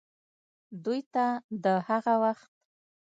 دوې ته دَ هغه وخت